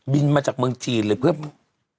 บินมาจากเมืองจีนเลยเพราะว่า